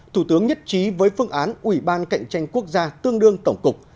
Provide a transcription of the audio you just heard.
thủ tướng nhất trí với phương án ủy ban cạnh tranh quốc gia tương đương tổng cục